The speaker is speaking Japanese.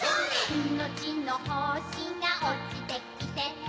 いのちのほしがおちてきて